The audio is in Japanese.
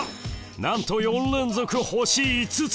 なんと４連続星５つ！